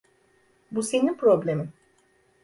Bu senin problemin.